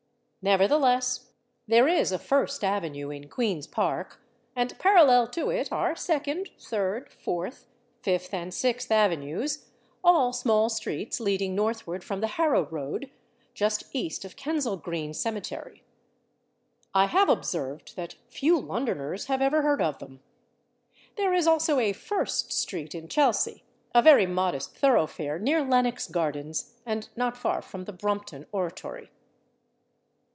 Nevertheless, there is a /First/ avenue in /Queen's Park/, and parallel to it are /Second/, /Third/, /Fourth/, /Fifth/ and /Sixth/ avenues all small streets leading northward from the Harrow road, just east of Kensal Green cemetery. I have observed that few Londoners have ever heard of them. There is also a /First/ street in Chelsea a very modest thoroughfare near Lennox gardens and not far from the Brompton Oratory.